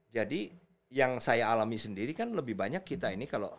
jadi yang saya alami sendiri kan lebih banyak kita ini kalau